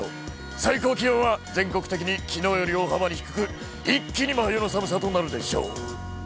最高気温は全国的にきのうより大幅に低く、一気に真冬の寒さとなるでしょう。